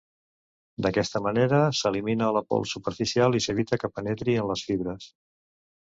D'aquesta manera s'elimina la pols superficial i s'evita que penetri en les fibres.